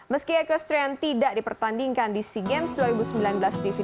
meski equestrian tidak dipertandingkan di sea games dua ribu sembilan belas di sini